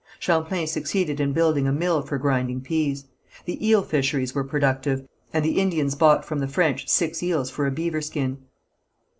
Champlain succeeded in building a mill for grinding pease. The eel fisheries were productive, and the Indians bought from the French six eels for a beaver skin.